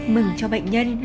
mừng cho bệnh nhân